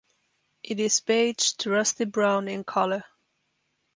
It is beige to rusty brown in colour.